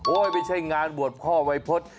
ไม่ใช่งานบวชพ่อวัยพฤษ